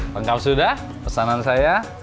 lengkap sudah pesanan saya